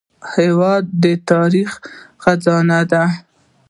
هېواد د تاریخ خزانه ده.